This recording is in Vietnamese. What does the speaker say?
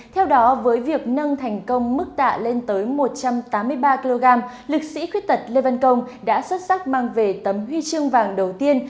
theo đó với việc nâng thành công mức tạ lên tới một trăm tám mươi ba kg liệt sĩ khuyết tật lê văn công đã xuất sắc mang về tấm huy chương vàng đầu tiên